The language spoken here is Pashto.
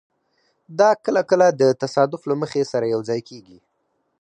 دا کله کله د تصادف له مخې سره یوځای کېږي.